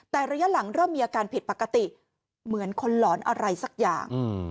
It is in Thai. แต่ระยะหลังเริ่มมีอาการผิดปกติเหมือนคนหลอนอะไรสักอย่าง